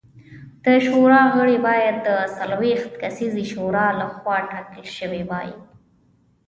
د شورا غړي باید د څلوېښت کسیزې شورا لخوا ټاکل شوي وای